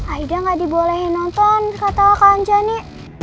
aida gak dibolehin nonton kata kak anjani